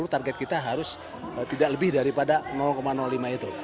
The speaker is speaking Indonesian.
dua ribu dua puluh target kita harus tidak lebih daripada lima itu